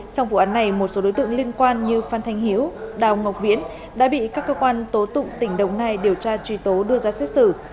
trong vụ án này một số đối tượng liên quan như phan thanh hiếu đào ngọc viễn đã bị các cơ quan tố tụng tỉnh đồng nai điều tra truy tố đưa ra xét xử